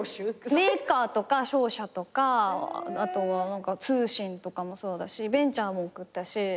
メーカーとか商社とか通信とかもそうだしベンチャーも送ったし。